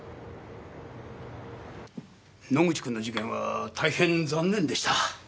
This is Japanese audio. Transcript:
野口くんの事件は大変残念でした。